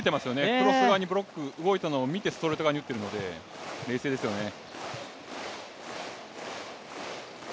クロス側にブロックが動いたのを見てストレート側に打っているので冷静ですよね。